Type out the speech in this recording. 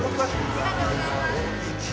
ありがとうございます。